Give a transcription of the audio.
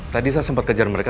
tadi saya sempat kejar mereka